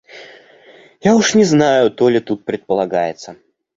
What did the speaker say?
Я уж не знаю, то ли тут предполагается.